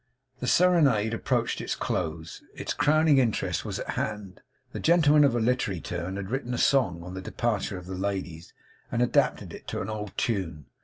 The serenade approached its close. Its crowning interest was at hand. The gentleman of a literary turn had written a song on the departure of the ladies, and adapted it to an old tune.